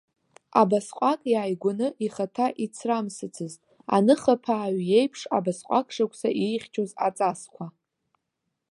Абасҟак иааигәаны ихаҭа ицрамсыцызт, аныхаԥааҩ иеиԥш, абасҟак шықәса иихьчоз аҵасқәа.